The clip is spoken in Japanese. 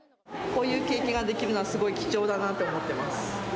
こういう経験ができるのは、すごい貴重だなと思ってます。